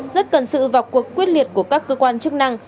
rất cần sự vào cuộc quyết liệt của các cơ quan chức năng